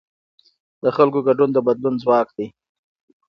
د خلکو ګډون د بدلون ځواک دی